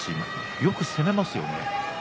よく攻めますよね。